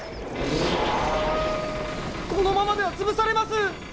このままではつぶされます！